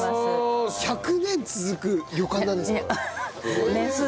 １００年続く旅館なんですか？